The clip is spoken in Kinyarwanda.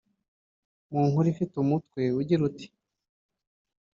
mu nkuru ifite umutwe ugira uti